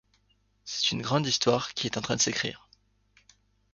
C'est une grande histoire qui est en train de s'écrire.